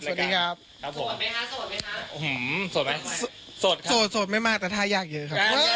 น้องหวานกับไม่ต้องอิกษาพี่นะคะเพราะว่าต่อไปถึง